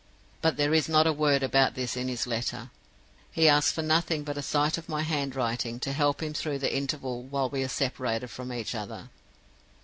But there is not a word about this in his letter. He asks for nothing but a sight of my handwriting to help him through the interval while we are separated from each other.